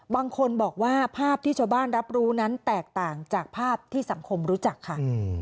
บางคนบอกว่าภาพที่ชาวบ้านรับรู้นั้นแตกต่างจากภาพที่สังคมรู้จักค่ะ